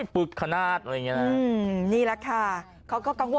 ปึกไฟสารเคลือบ